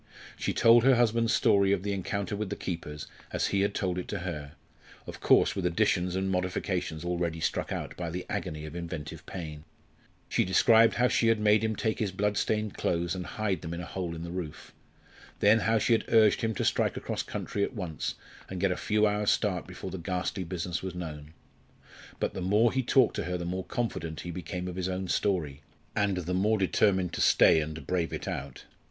She told her husband's story of the encounter with the keepers as he had told it to her, of course with additions and modifications already struck out by the agony of inventive pain; she described how she had made him take his blood stained clothes and hide them in a hole in the roof; then how she had urged him to strike across country at once and get a few hours start before the ghastly business was known. But the more he talked to her the more confident he became of his own story, and the more determined to stay and brave it out.